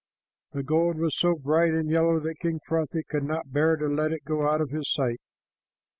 The gold was so bright and yellow that King Frothi could not bear to let it go out of his sight.